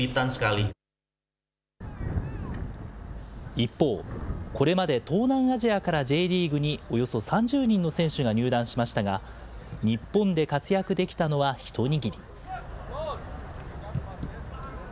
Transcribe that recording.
一方、これまで東南アジアからＪリーグにおよそ３０人の選手が入団しましたが、日本で活躍できたのは一握り。